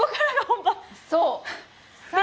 そう。